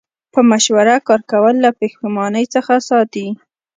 په مشوره کار کول له پښیمانۍ څخه ساتي.